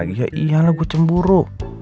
malah gue cemburu